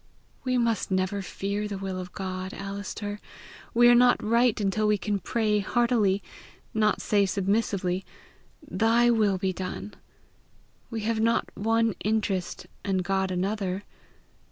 "We must never fear the will of God, Alister! We are not right until we can pray heartily, not say submissively, 'Thy will be done!' We have not one interest, and God another.